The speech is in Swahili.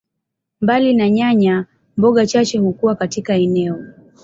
Mbali na nyanya, mboga chache hukua katika eneo.